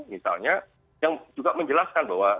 misalnya yang juga menjelaskan bahwa